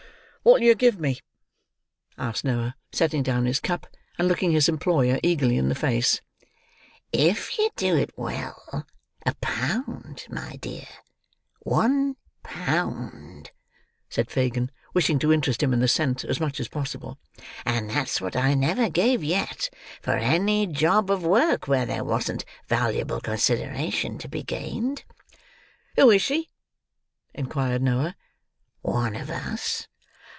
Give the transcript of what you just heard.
"What'll yer give me?" asked Noah, setting down his cup, and looking his employer, eagerly, in the face. "If you do it well, a pound, my dear. One pound," said Fagin, wishing to interest him in the scent as much as possible. "And that's what I never gave yet, for any job of work where there wasn't valuable consideration to be gained." "Who is she?" inquired Noah. "One of us."